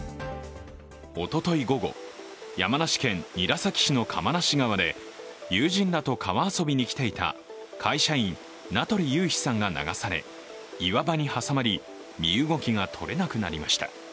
おととい午後、山梨県韮崎市の釜無川で友人らと川遊びに来ていた会社員・名取優飛さんが流され岩場に挟まり身動きがとれなくなりました。